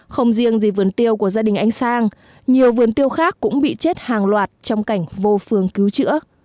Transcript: không riêng gì vườn tiêu của gia đình anh sang nhiều vườn tiêu khác cũng bị chết hàng loạt trong cảnh vô phường cứu chữa